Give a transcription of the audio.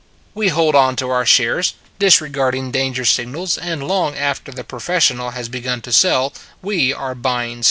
We hold on to our shares, disregarding danger signals, and long after the professional has begun to sell, we are buying still.